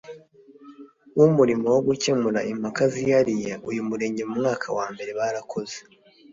w umurimo mu gukemura impaka zihariye uyu murenge mu mwaka wa mbere barakoze